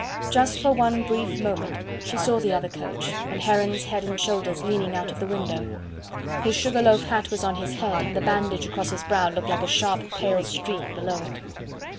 Just for one brief moment she saw the other coach, and Heron's head and shoulders leaning out of the window. His sugar loaf hat was on his head, and the bandage across his brow looked like a sharp, pale streak below it.